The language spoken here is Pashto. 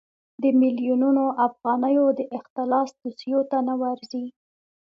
د میلیونونو افغانیو د اختلاس دوسیو ته نه ورځي.